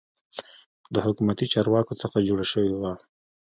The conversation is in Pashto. د حکومتي چارواکو څخه جوړه شوې وه.